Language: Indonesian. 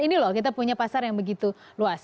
ini loh kita punya pasar yang begitu luas